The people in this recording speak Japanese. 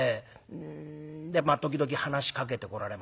でまあ時々話しかけてこられまして。